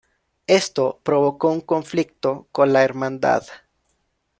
Esto provocó un conflicto con la hermandad.